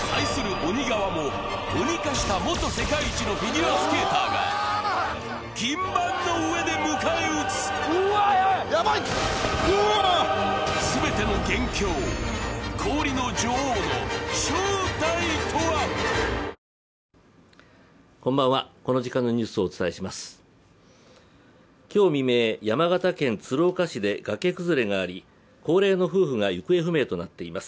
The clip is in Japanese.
鬼側も鬼化した元世界一のフィギュアスケーターが今日未明、山形県鶴岡市で崖崩れがあり高齢の夫婦が行方不明となっています。